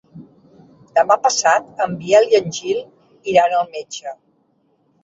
Demà passat en Biel i en Gil iran al metge.